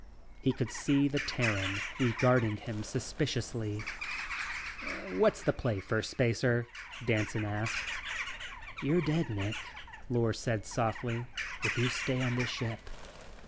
He could see the Terran regarding him suspiciously. "What's the play, Firstspacer?" Danson asked. "You're dead, Nick," Lors said softly, "if you stay on this ship.